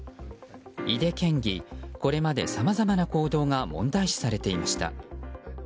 井手県議、これまでさまざまな行動が問題視されていました。